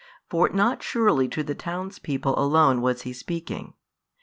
For not surely to the townspeople alone was He speaking.